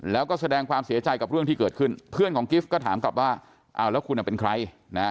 แล้วก็แสดงความเสียใจกับเรื่องที่เกิดขึ้นเพื่อนของกิฟต์ก็ถามกลับว่าอ้าวแล้วคุณเป็นใครนะ